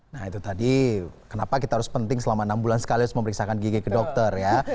nah itu tadi kenapa kita harus penting selama enam bulan sekali harus memeriksakan gigi ke dokter ya